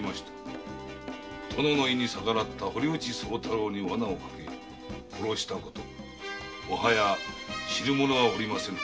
殿の意に逆らった堀内宗太郎にワナをかけて殺した事もはや知る者はおりませぬ。